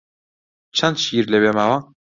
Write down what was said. چەند شیر لەوێ ماوە؟